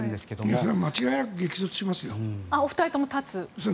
それは間違いなく激突しますよ。